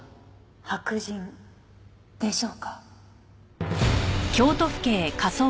白人でしょうか？